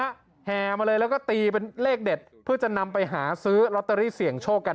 แห่มาเลยแล้วก็ตีเป็นเลขเด็ดเพื่อจะนำไปหาซื้อลอตเตอรี่เสี่ยงโชคกัน